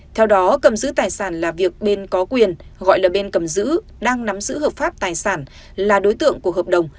theo đó cầm giữ tài sản là việc bên có quyền gọi là bên cầm dữ đang nắm giữ hợp pháp tài sản là đối tượng của hợp đồng